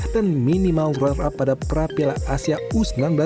dan minimal rar pada prapiala asia u sembilan belas